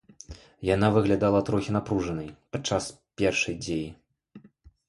Яна выглядала трохі напружанай падчас першай дзеі.